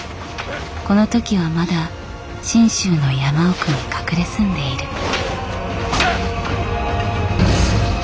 この時はまだ信州の山奥に隠れ住んでいる。